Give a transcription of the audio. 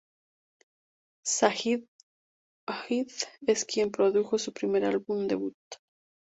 Sajid-Wajid es quien produjo su primer álbum debut.